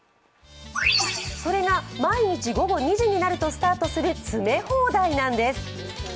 それが毎日午後２時になるとスタートする詰め放題なんです。